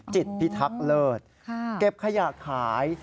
พิทักษ์เลิศเก็บขยะขาย